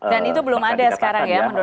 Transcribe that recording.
dan itu belum ada sekarang ya menurut anda